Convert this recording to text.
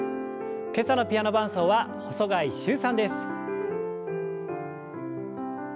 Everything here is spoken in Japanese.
今朝のピアノ伴奏は細貝柊さんです。